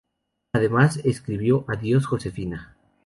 Además escribió "¡Adiós, Josefina!